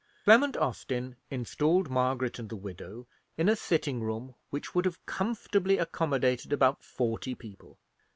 Clement Austin installed Margaret and the widow in a sitting room which would have comfortably accommodated about forty people.